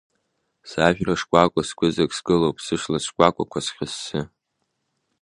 Сажәра шкәакәа сгәыҵак сгылоуп, сышлац шкәакәақәа схьыссы!